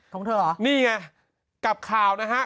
ของเธอเหรอนี่ไงกับข่าวนะฮะ